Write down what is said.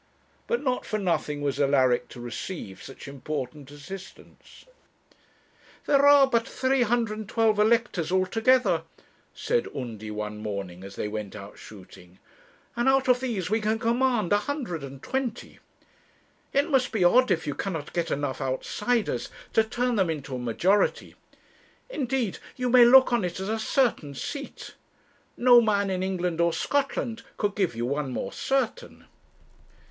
But not for nothing was Alaric to receive such important assistance. 'There are but 312 electors altogether,' said Undy one morning as they went out shooting, 'and out of these we can command a hundred and twenty. It must be odd if you cannot get enough outsiders to turn them into a majority. Indeed you may look on it as a certain seat. No man in England or Scotland could give you one more certain.'